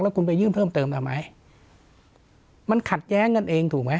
คุณไปยื่นเพิ่มเติมทำไมมันขัดแย้งกันเองถูกไหม